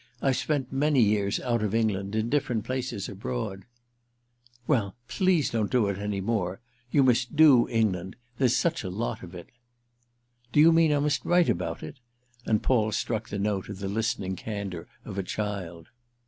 I've spent many years out of England, in different places abroad." "Well, please don't do it any more. You must do England—there's such a lot of it." "Do you mean I must write about it?" and Paul struck the note of the listening candour of a child.